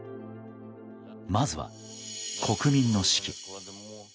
まずは、国民の士気。